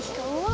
cing ish keluar